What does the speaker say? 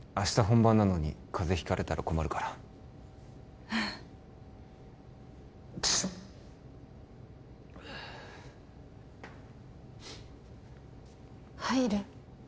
本番なのに風邪ひかれたら困るから入る？